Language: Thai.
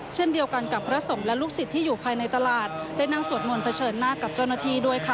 เช่นเดียวกันกับพระสงฆ์และลูกศิษย์ที่อยู่ภายในตลาดได้นั่งสวดมนต์เผชิญหน้ากับเจ้าหน้าที่ด้วยค่ะ